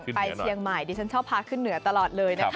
ไปเชียงใหม่ดิฉันชอบพาขึ้นเหนือตลอดเลยนะคะ